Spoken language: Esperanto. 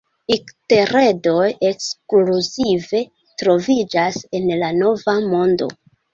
Ikteredoj ekskluzive troviĝas en la Nova Mondo.